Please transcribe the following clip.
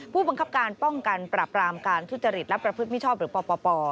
ผู้บังคับการป้องกันปรับรามการทุจริตและประพฤติมิชอบหรือปป